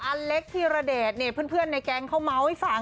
อัลเล็กทีรเดชเนี่ยเพื่อนในแก๊งเขาม้าวให้ฟัง